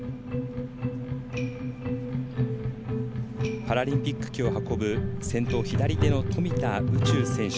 パラリンピック旗を運ぶ先頭、左手の富田宇宙選手。